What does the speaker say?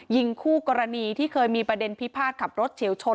คู่กรณีที่เคยมีประเด็นพิพาทขับรถเฉียวชน